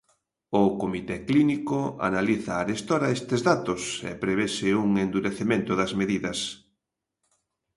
O comité clínico analiza arestora estes datos e prevese un endurecemento das medidas.